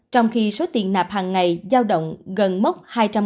trong khi số tiền nạp hàng ngày giao động gần mốc hai trăm linh